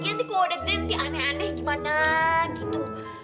nanti kalo udah gede nanti aneh aneh gimana gitu